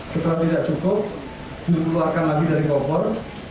setelah tidak cukup dikeluarkan lagi dari kompor